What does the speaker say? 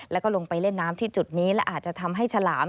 แล้วก็ลงไปเล่นน้ำที่จุดนี้และอาจจะทำให้ฉลาม